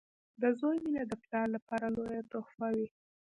• د زوی مینه د پلار لپاره لویه تحفه وي.